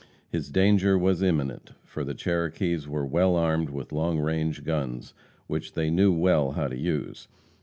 His danger was imminent, for the Cherokees were well armed with long range guns, which they knew well how to use.